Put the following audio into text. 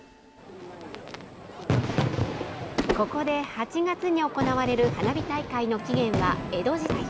ここで８月に行われる花火大会の起源は江戸時代。